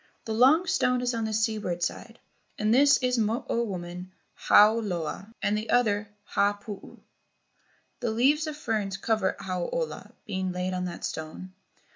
The long stone is on the seaward side, and this is the Mo o woman, Hau ola; and the other, Ha puu. The leaves of ferns cover Hau ola, being laid on that stone.